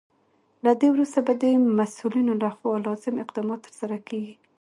له دې وروسته به د مسولینو لخوا لازم اقدامات ترسره کیږي.